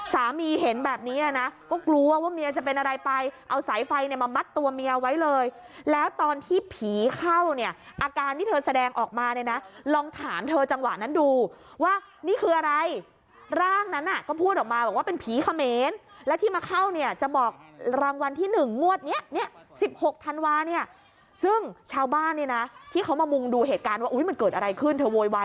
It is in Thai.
สามีเห็นแบบนี้นะนะก็กลัวว่าเมียจะเป็นอะไรไปเอาสายไฟเนี่ยมามัดตัวเมียไว้เลยแล้วตอนที่ผีเข้าเนี่ยอาการที่เธอแสดงออกมาเนี่ยนะลองถามเธอจังหวะนั้นดูว่านี่คืออะไรร่างนั้นก็พูดออกมาบอกว่าเป็นผีเขมรแล้วที่มาเข้าเนี่ยจะบอกรางวัลที่๑งวดนี้เนี่ย๑๖ธันวาเนี่ยซึ่งชาวบ้านเนี่ยนะที่เขามามุงดูเหตุการณ์ว่ามันเกิดอะไรขึ้นเธอโวยวาย